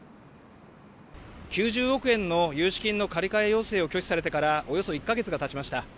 ９０億円の融資金の借り換え要請を拒否されてからおよそ１か月がたちました。